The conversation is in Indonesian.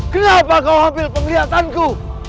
kenapa kau ambil penglihatanku